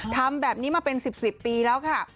ทำแบบนี้มาเป็น๑๐ปีแล้วค่ะ